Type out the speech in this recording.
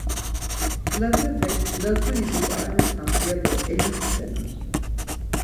Lazepek “Lazuri bip̌aramitamt” ya do elimskenan.